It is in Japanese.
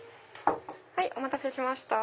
はいお待たせしました。